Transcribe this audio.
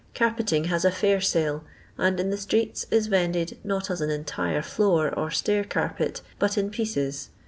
Carpeting has a fair sale, and in the streets is vended not as an entire floor or stair carpet, but in pieces.